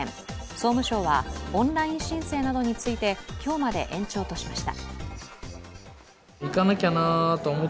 総務省はオンライン申請などについて今日まで延長としました。